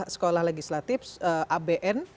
sekolah legislatif abn